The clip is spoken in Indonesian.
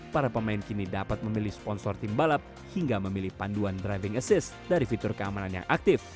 para pemain kini dapat memilih sponsor tim balap hingga memilih panduan driving assis dari fitur keamanan yang aktif